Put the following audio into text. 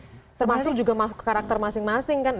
termasuk juga masuk ke karakter masing masing kan